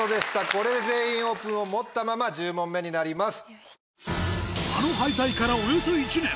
これで「全員オープン」を持ったまま１０問目になります。